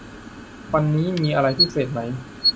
วันนี้มีอะไรพิเศษไหม